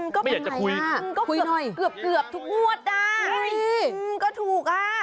ก็เป็นไงล่ะก็เกือบทุกงวดน่ะอืมก็ถูกน่ะ